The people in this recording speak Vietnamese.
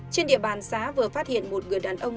trên địa bàn xã vừa phát hiện một người đàn ông